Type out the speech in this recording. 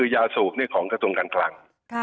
ยาสูบของกระทรวงการคลัง